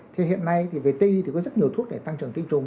thì hiện nay về tây có rất nhiều thuốc để tăng trưởng tinh trùng